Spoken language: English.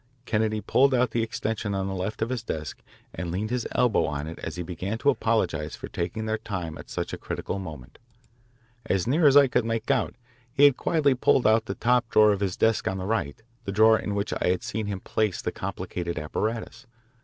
Kennedy pulled out the extension on the left of his desk and leaned his elbow on it as he began to apologise for taking up their time at such a critical moment. As near as I could make out, he had quietly pulled out the top drawer of his desk on the right, the drawer in which I had seen him place the complicated apparatus.